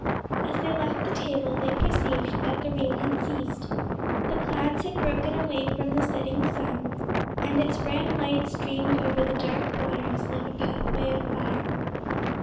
As they left the table they perceived that the rain had ceased; the clouds had broken away from the setting sun, and its red light streamed over the dark waters like a pathway of fire.